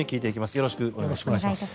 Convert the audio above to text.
よろしくお願いします。